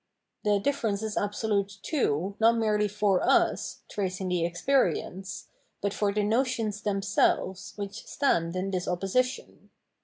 The difference is absolute, too, not merely for us [tracing the experience], but for the notions themselves which stand in this opposition.